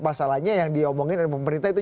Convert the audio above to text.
masalahnya yang diomongin oleh pemerintah itu